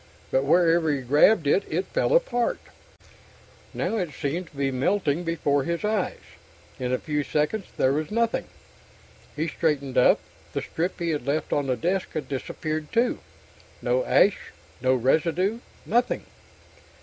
But wherever he grabbed it, it fell apart. Now it seemed to be melting before his eyes. In a few seconds there was nothing. He straightened up. The strip he had left on the desk had disappeared, too. No ash, no residue. Nothing.